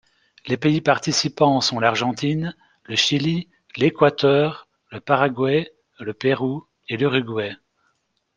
Les pays participants sont l'Argentine, le Chili, l'Équateur, le Paraguay, le Pérou et l'Uruguay.